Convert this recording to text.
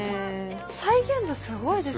再現度すごいですよね。